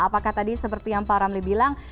apakah tadi seperti yang pak ramli bilang